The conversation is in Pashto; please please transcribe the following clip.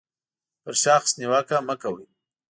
پر شخص نیوکه مه کوئ.